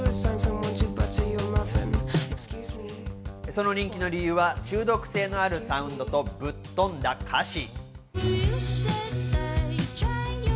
その人気の理由は、中毒性のあるサウンドと、ぶっとんだ歌詞。